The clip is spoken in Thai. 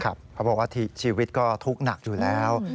เขาบอกว่าชีวิตก็ทุกข์หนักอยู่แล้ว